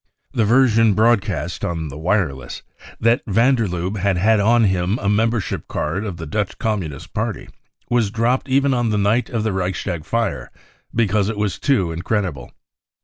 (The version broadcast on the wireless, that van der Lubbe had had on him a membership card of the Dutch Communist Party, was dropped even on the night of the Reichstag fire, because it was too incredible.)